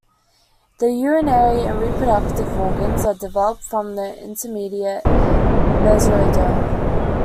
The urinary and reproductive organs are developed from the intermediate mesoderm.